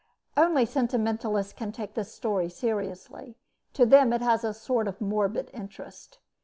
Only sentimentalists can take this story seriously. To them it has a sort of morbid interest.